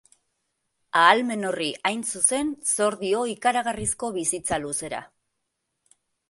Ahalmen horri, hain zuzen, zor dio ikaragarrizko bizitza-luzera.